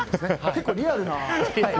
結構リアルな。